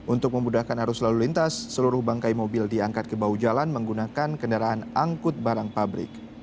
untuk memudahkan arus lalu lintas seluruh bangkai mobil diangkat ke bahu jalan menggunakan kendaraan angkut barang pabrik